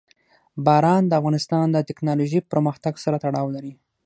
باران د افغانستان د تکنالوژۍ پرمختګ سره تړاو لري.